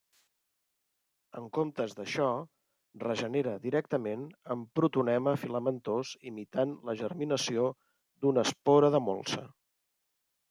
En comptes d’això regenera directament en protonema filamentós imitant la germinació d’una espora de molsa.